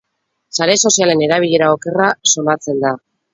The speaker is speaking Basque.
Sare sozialen erabilera okerra somatzen da.